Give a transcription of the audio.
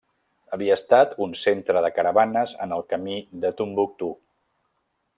Havia estat un centre de caravanes en el camí de Tombouctou.